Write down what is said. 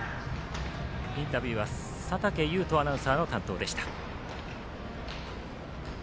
インタビューは佐竹祐人アナウンサーの担当でした。